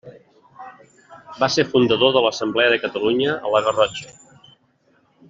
Va ser fundador de l'Assemblea de Catalunya a la Garrotxa.